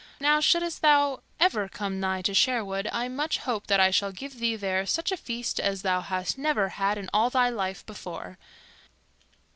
Now, shouldst thou ever come nigh to Sherwood I much hope that I shall give thee there such a feast as thou hast ne'er had in all thy life before."